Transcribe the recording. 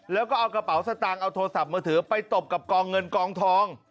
แล้วก็เอากระเป๋าสตางค์เอาโทรศัพท์มือถือไปตบกับกองเงินกองทอง